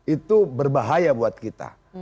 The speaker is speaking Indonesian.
itu berbahaya buat kita